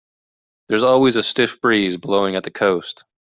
There's always a stiff breeze blowing at the coast.